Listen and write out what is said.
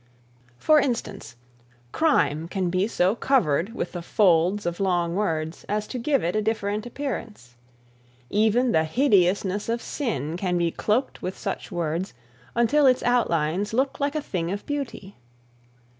For instance, crime can be so covered with the folds of long words as to give it a different appearance. Even the hideousness of sin can be cloaked with such words until its outlines look like a thing of beauty.